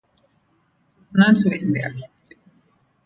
It is not widely accepted.